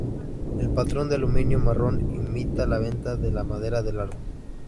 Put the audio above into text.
El patrón de aluminio marrón imita la veta de la madera del árbol.